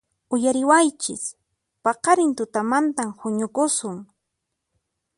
¡Uyariwaychis! ¡Paqarin tutamantan huñukusun!